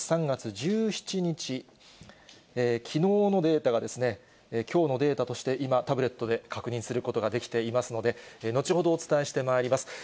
３月１７日、きのうのデータがきょうのデータとして今、タブレットで確認することができていますので、後ほどお伝えしてまいります。